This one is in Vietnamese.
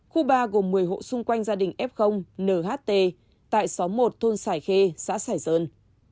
khu ba gồm một mươi hộ xung quanh gia đình f nht tại xóm một thôn sải khê xã sài sơn